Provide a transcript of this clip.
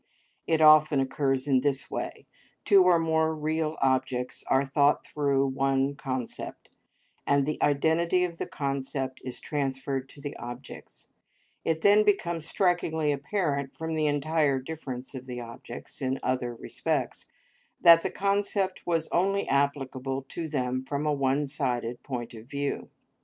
It often occurs in this way: two or more real objects are thought through one concept, and the identity of the concept is transferred to the objects; it then becomes strikingly apparent from the entire difference of the objects in other respects, that the concept was only applicable to them from a one sided point of view.